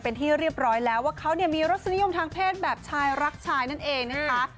เป็นที่เรียบร้อยแล้วว่าเขามีรสนิยมทางเพศแบบชายรักชายนั่นเองนะคะ